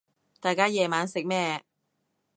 大家夜晚食咩